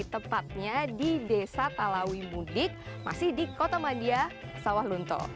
tepatnya di desa talawi mudik masih di kota madia sawah lunto